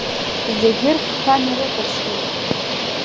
Зегьы рхқәа нарыкәаҽуеит.